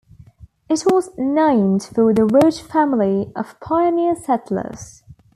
It was named for the Roach family of pioneer settlers.